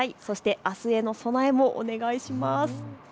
あすへの備えもお願いします。